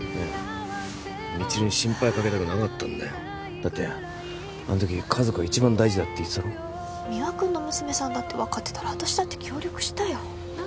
未知留に心配かけたくなかったんだよだってあの時家族が一番大事だって言ってたろ三輪君の娘さんだって分かってたら私だって協力したよ